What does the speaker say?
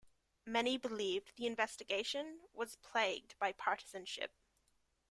Many believed the investigation was plagued by partisanship.